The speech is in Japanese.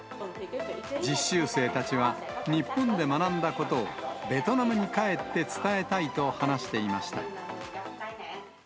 実習生たちは、日本で学んだことをベトナムに帰って伝えたいと話していました。